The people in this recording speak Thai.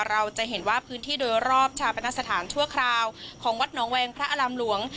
เราจะเห็นว่าพื้นที่โดยรอบชาปนสถานชั่วคราวของวัดหนองแวงพระอารามหลวง